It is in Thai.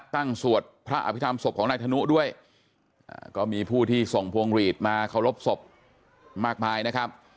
สวดพระอภิษฐรรมศพของนายธนุด้วยก็มีผู้ที่ส่งพวงหลีดมาเคารพศพมากมายนะครับ